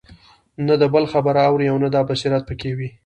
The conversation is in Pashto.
نه د بل خبره اوري او نه دا بصيرت په كي وي